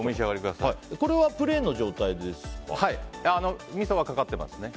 これはプレーンの状態ですか？